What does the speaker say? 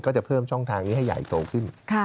ก็จะเพิ่มช่องทางนี้ให้ใหญ่โตขึ้น